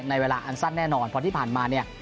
เวลาอันสั้นแน่นอนเพราะที่ผ่านมาเนี่ย